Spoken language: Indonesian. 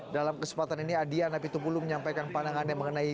dalam kesempatan ini adian apitupulu menyampaikan pandangannya mengenai